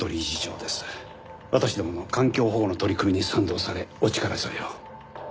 私どもの環境保護の取り組みに賛同されお力添えを。